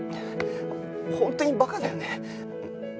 本当にバカだよね。